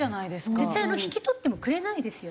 絶対引き取ってもくれないですよね。